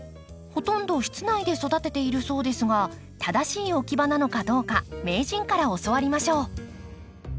ほとんど室内で育てているそうですが正しい置き場なのかどうか名人から教わりましょう。